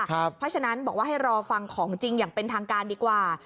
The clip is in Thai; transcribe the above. เพราะฉะนั้นบอกว่าให้รอฟังของจริงอย่างเป็นทางการดีกว่า